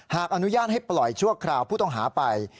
อนุญาตให้ปล่อยชั่วคราวผู้ต้องหาไป